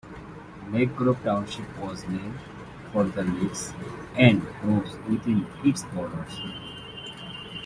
Lake Grove Township was named for the lakes and groves within its borders.